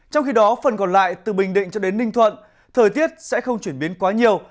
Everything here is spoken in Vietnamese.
trong khi đó phần còn lại từ bình định cho đến ninh thuận thời tiết sẽ không chuyển biến quá nhiều